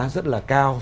rất là cao